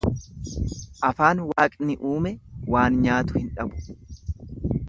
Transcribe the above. Afaan Waaqni uume waan nyaatu hin dhabu.